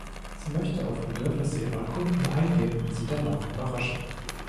Sie möchte auf Bedürfnisse ihrer Kunden eingehen und sie dennoch überraschen.